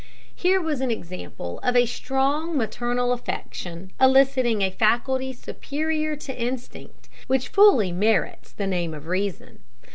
Here was an example of strong maternal affection eliciting a faculty superior to instinct, which fully merits the name of reason.